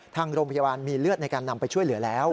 ทางโรงพยาบาลมีเลือดในการนำไปช่วยเหลือแล้ว